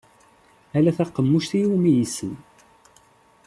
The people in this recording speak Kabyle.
Ala taqemmuc iwumi yessen.